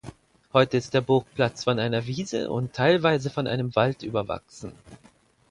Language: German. Heute ist der Burgplatz von einer Wiese und teilweise von einem Wald überwachsen.